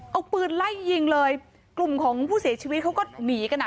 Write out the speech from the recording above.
เอาปืนไล่ยิงเลยกลุ่มของผู้เสียชีวิตเขาก็หนีกันอ่ะ